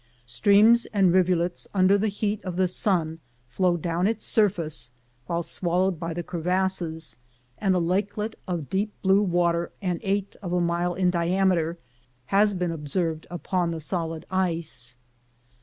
Streams and rivulets under the heat of the sun flow down its surface until swallowed by the crevasses, and a lakelet of deep blue water an eighth of a mile in diameter has been observed upon the solid ice.